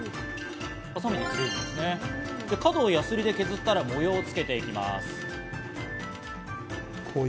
角をヤスリで削ったら模様をつけていきます。